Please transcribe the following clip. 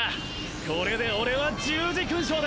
これで俺は十字勲章だ。